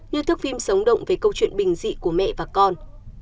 như thước phim sống động về câu chuyện bình dị của mẹ và con